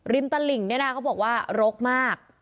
ริมตาลิ่งนี้นะเค้าบอกว่ารกมาก